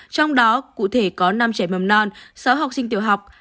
trong đó cụ thể có năm trẻ mầm non sáu học sinh tiểu học